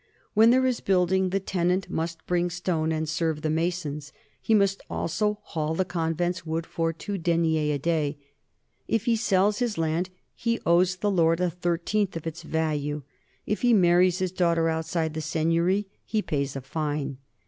When there is building the tenant must bring stone and serve the masons; he must also haul the convent's wood for two deniers a day. If he sells his land, he owes the lord a thirteenth of its value; if he marries his daughter outside the seigniory, he pays a fine.